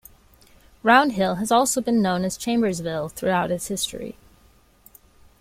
Round Hill has also been known as Chambersville throughout its history.